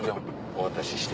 お渡しして。